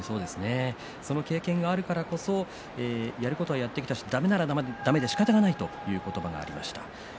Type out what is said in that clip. その経験があるからこそやることはやってきたしだめならだめでしかたがないという言葉がありました。